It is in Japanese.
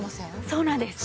そうなんです。